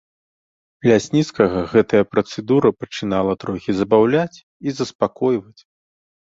Лясніцкага гэтая працэдура пачынала трохі забаўляць і заспакойваць.